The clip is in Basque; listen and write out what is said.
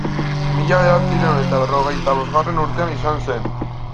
Mila bederatziehun eta berrogeita bosgarren urtean izan zen.